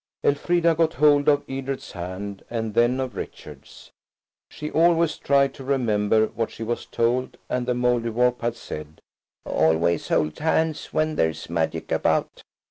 Elfrida got hold of Edred's hand and then of Richard's. She always tried to remember what she was told, and the Mouldiwarp had said, "Always hold hands when there's magic about."